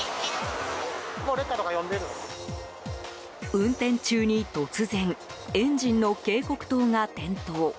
運転中に突然エンジンの警告灯が点灯。